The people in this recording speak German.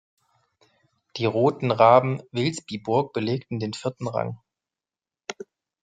Die Roten Raben Vilsbiburg belegten den vierten Rang.